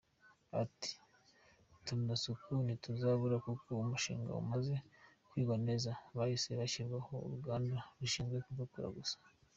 Ati :’’Utunozasuku ntituzabura kuko umushinga umaze kwigwa neza hahise hashyirwaho uruganda rushinzwe kudukora gusa”.